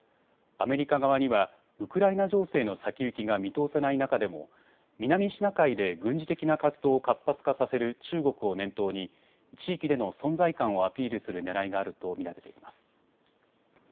アメリカ側には、ウクライナ情勢の先行きが見通せない中でも、南シナ海で軍事的な活動を活発化させる中国を念頭に、地域での存在感をアピールするねらいがあると見られています。